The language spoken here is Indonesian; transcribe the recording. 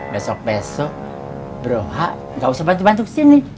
besok besok bro ha gak usah bantu bantu kesini